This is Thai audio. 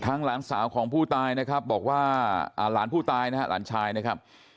หลานสาวของผู้ตายนะครับบอกว่าหลานผู้ตายนะฮะหลานชายนะครับ